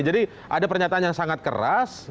jadi ada pernyataan yang sangat keras